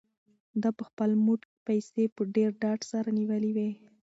ده په خپل موټ کې پیسې په ډېر ډاډ سره نیولې وې.